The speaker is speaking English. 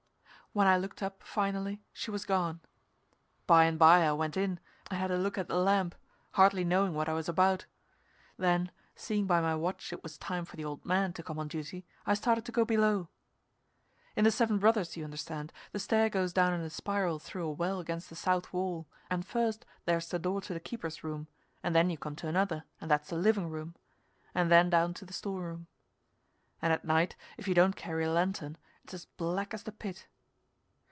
When I looked up finally, she was gone. By and by I went in and had a look at the lamp, hardly knowing what I was about. Then, seeing by my watch it was time for the old man to come on duty, I started to go below. In the Seven Brothers, you understand, the stair goes down in a spiral through a well against the south wall and first there's the door to the keeper's room and then you come to another, and that's the living room, and then down to the store room. And at night, if you don't carry a lantern, it's as black as the pit.